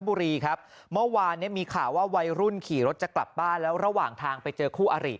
บุรีครับเมื่อวานเนี้ยมีข่าวว่าวัยรุ่นขี่รถจะกลับบ้านแล้วระหว่างทางไปเจอคู่อริ